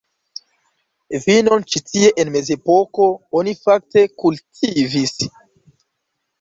Vinon ĉi tie en mezepoko oni fakte kultivis.